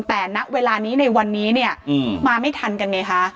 แต่ณเวลานี้ในวันนี้เนี่ยมาไม่ทันกันไงคะ